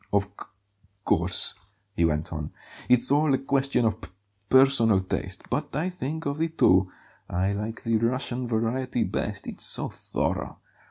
"Of c course," he went on; "it's all a question of p personal taste; but I think, of the two, I like the Russian variety best it's so thorough.